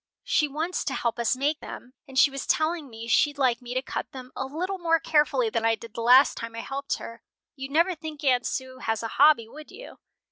"She wants to help us make them, and she was telling me she'd like me to cut them a little more carefully than I did the last time I helped her. You'd never think Aunt Sue has a hobby, would you?"